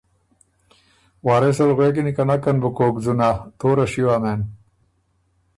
وارث ال غوېکِن که ”نکن بُو کوک ځُونۀ، توره شیو هۀ مېن“